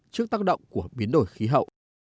trước tác động của biến đổi khí hậu